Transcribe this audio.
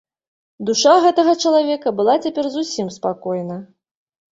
Душа гэтага чалавека была цяпер зусім спакойна.